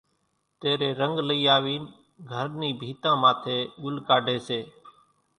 تيرين رنگ لئي آوين گھر نِي ڀينتان ماٿي ڳُل ڪاڍي سي